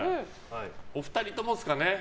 お二人共ですかね。